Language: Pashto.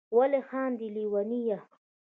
ولي خاندی ليونيه